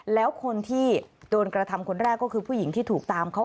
แล้วคนที่โดนกระทำคนแรกก็คือผู้หญิงที่ถูกตามเขา